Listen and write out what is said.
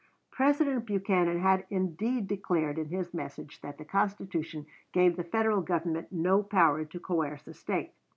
President Buchanan had indeed declared in his message that the Constitution gave the Federal Government no power to coerce a State.